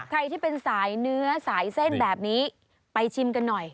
ใครที่เป็นสายเนื้อสายเส้นแบบนี้ไปชิมกันหน่อย